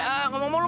flag itu ga ada